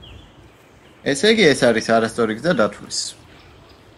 ესეიგი ეს არის არასწორი გზა დათვლის.